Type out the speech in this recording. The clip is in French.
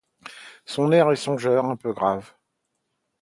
Son air est songeur, un peu grave.